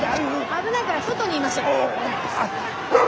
危ないから外にいましょう。